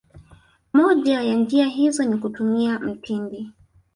Moja ya njia hizo ni kutumia mtindi